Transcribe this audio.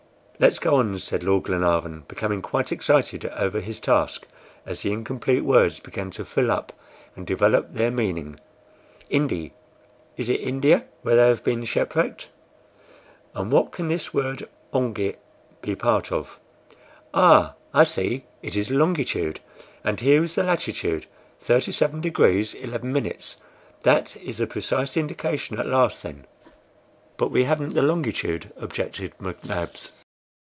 "Let's go on," said Lord Glenarvan, becoming quite excited over his task, as the incomplete words began to fill up and develop their meaning. "INDI, is it India where they have been shipwrecked? And what can this word ONGIT be part of? Ah! I see it is LONGITUDE; and here is the latitude, 37 degrees 11". That is the precise indication at last, then!" "But we haven't the longitude," objected McNabbs.